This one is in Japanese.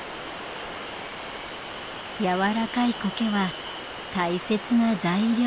やわらかいコケは大切な材料。